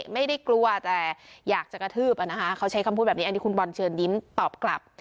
ไม่ได้กลัวแต่อยากจะกระทืบเขาใช้คำพูดแบบนี้อันนี้คุณบอลเชิญยิ้มตอบกลับ